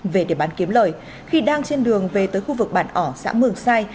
về để bán kiếm lời khi đang trên đường về tới khu vực bản ỏ xã mường sai